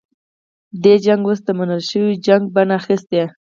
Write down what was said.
دې جګړو اوس د منل شویو جګړو بڼه اخیستې.